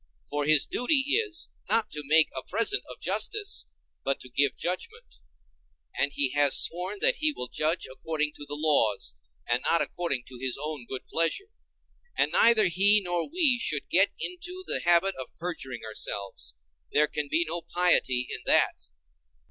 For his duty is, not to make a present of justice, but to give judgment; and he has sworn that he will judge according to the laws, and not according to his own good pleasure; and neither he nor we should get into the habit of perjuring ourselves—there can be no piety in that.